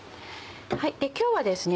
今日はですね